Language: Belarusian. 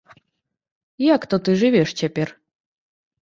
Як то жывеш ты цяпер?